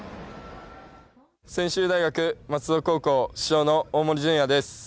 専修大学松戸高校主将の大森准弥です。